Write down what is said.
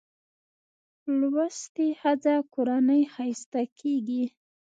په لوستې ښځه کورنۍ ښايسته کېږي